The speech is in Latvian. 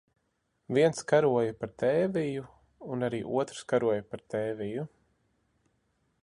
Viens karoja par Tēviju, un arī otrs karoja par Tēviju.